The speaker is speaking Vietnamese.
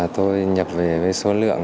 tôi nhập về với số lượng